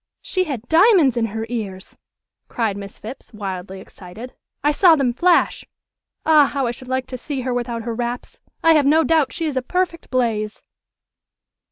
"She had diamonds in her ears!" cried Miss Phipps, wildly excited. "I saw them flash. Ah, how I should like to see her without her wraps! I have no doubt she is a perfect blaze!"